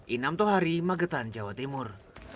inam tohari magetan jawa timur